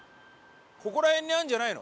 ここら辺にあるんじゃないの？